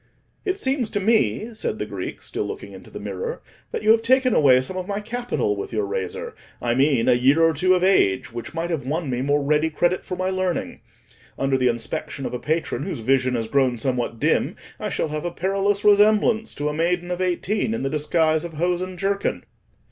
"It seems to me," said the Greek, still looking into the mirror, "that you have taken away some of my capital with your razor—I mean a year or two of age, which might have won me more ready credit for my learning. Under the inspection of a patron whose vision has grown somewhat dim, I shall have a perilous resemblance to a maiden of eighteen in the disguise of hose and jerkin."